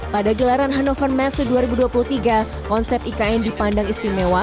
pada gelaran hannover messe dua ribu dua puluh tiga konsep ikn dipandang istimewa